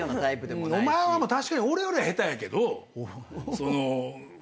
お前は確かに俺よりは下手やけど。